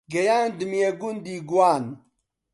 گەیاندمیە گوندی گوان